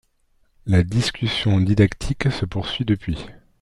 La discussion didactique se poursuit depuis.